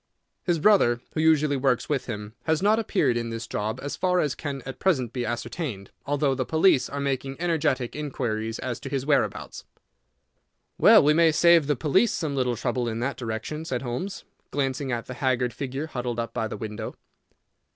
His brother, who usually works with him, has not appeared in this job as far as can at present be ascertained, although the police are making energetic inquiries as to his whereabouts." "Well, we may save the police some little trouble in that direction," said Holmes, glancing at the haggard figure huddled up by the window.